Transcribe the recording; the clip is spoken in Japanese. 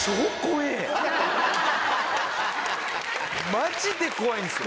マジで怖いんですよ。